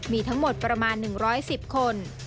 มีทั้งหมดประมาณ๑๑๐คน